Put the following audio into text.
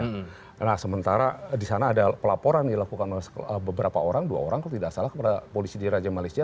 nah sementara di sana ada pelaporan dilakukan oleh beberapa orang dua orang kalau tidak salah kepada polisi di raja malaysia